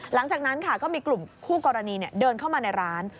หลังจากนั้นค่ะก็มีกลุ่มคู่กรณีเดินเข้ามาในร้าน